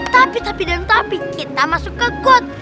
tapi tapi dan tapi kita masuk ke got